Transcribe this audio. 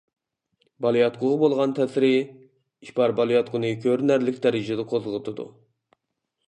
بالىياتقۇغا بولغان تەسىرى: ئىپار بالىياتقۇنى كۆرۈنەرلىك دەرىجىدە قوزغىتىدۇ.